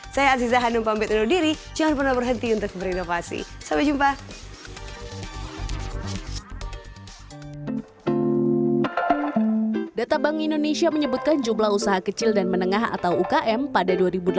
saya aziza hanum pamit undur diri jangan pernah berhenti untuk berinovasi sampai jumpa